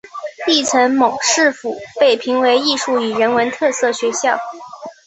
亦曾蒙市府评为艺术与人文特色学校。